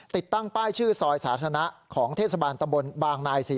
ติดตั้งป้ายชื่อซอยสาธารณะของเทศบาลตำบลบางนายศรี